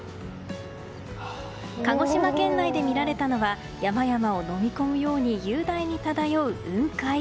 鹿児島県内で見られたのは山々をのみ込むように雄大に漂う雲海。